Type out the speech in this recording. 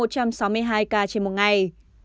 một mươi một một trăm sáu mươi hai ca trên một ngày